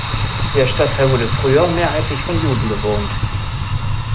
Der Stadtteil wurde früher mehrheitlich von Juden bewohnt.